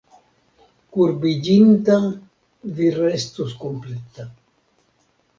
Kurbiĝinta vi restos kompleta.